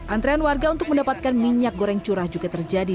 antrean warga untuk mendapatkan minyak goreng curah juga terjadi